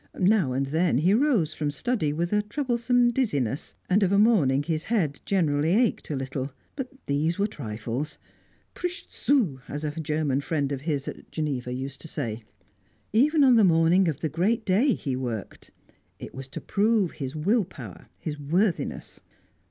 Now and then he rose from study with a troublesome dizziness, and of a morning his head generally ached a little; but these were trifles. Prisch zu! as a German friend of his at Geneva used to say. Even on the morning of the great day he worked; it was to prove his will power, his worthiness.